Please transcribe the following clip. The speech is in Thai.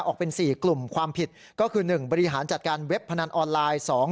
ออกเป็น๔กลุ่มความผิดก็คือ๑บริหารจัดการเว็บพนันออนไลน์